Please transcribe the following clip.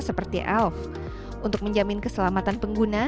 seperti elf untuk menjamin keselamatan pengguna